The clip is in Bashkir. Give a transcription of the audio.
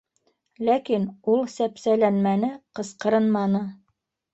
Ләкин ул сәпсәләнмәне, ҡысҡырынманы.